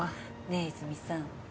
ねえ泉さん